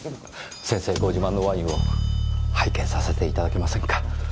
先生ご自慢のワインを拝見させていただけませんか？